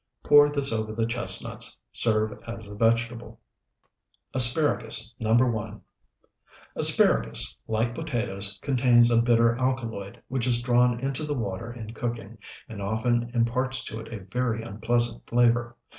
Pour this over the chestnuts; serve as a vegetable. ASPARAGUS NO. 1 Asparagus, like potatoes, contains a bitter alkaloid, which is drawn into the water in cooking, and often imparts to it a very unpleasant flavor.